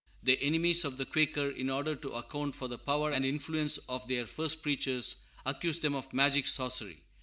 The enemies of the Quakers, in order to account for the power and influence of their first preachers, accused them of magic and sorcery.